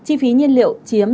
chỉ phí nhiên liệu chiếm